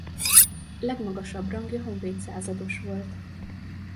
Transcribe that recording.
Legmagasabb rangja honvéd százados volt.